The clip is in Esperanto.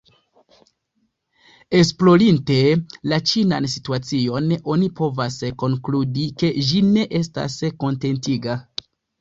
Esplorinte la ĉinan situacion, oni povas konkludi ke ĝi ne estas kontentiga.